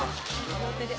「両手で」